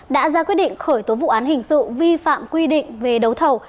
đã ra quyết định khởi tố vụ án hình sự vi phạm quy định về đấu thầu